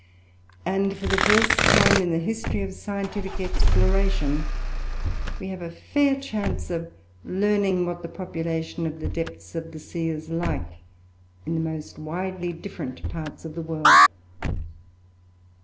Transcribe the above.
And, for the first time in the history of scientific exploration, we have a fair chance of learning what the population of the depths of the sea is like in the most widely different parts of the world.